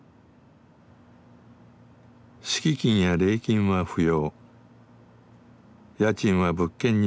敷金や礼金は不要。